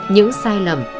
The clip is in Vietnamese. những sai lầm